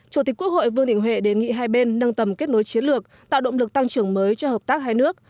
chủ tịch quốc hội vương đình huệ đề nghị hai bên nâng tầm kết nối chiến lược tạo động lực tăng trưởng mới cho hợp tác hai nước